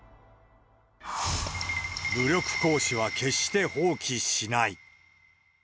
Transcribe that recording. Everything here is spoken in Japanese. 武力行使は決して放棄しない。